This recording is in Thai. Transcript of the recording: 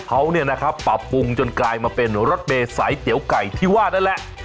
เขาเนี่ยนะครับปรับปรุงจนกลายมาเป็นรถเมย์สายเตี๋ยวไก่ที่ว่านั่นแหละ